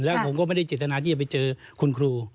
แล้วผมก็ไม่ได้เจตนาที่จะไปเจอคุณครู